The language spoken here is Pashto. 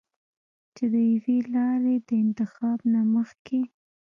چې د يوې لارې د انتخاب نه مخکښې